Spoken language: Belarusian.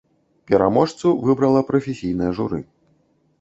Пераможцу выбрала прафесійнае журы.